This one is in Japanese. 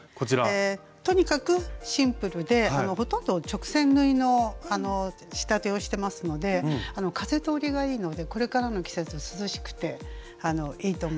とにかくシンプルでほとんど直線縫いの仕立てをしてますので風通りがいいのでこれからの季節涼しくていいと思います。